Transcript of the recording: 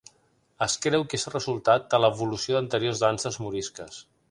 Es creu que és resultat de l'evolució d'anteriors danses morisques.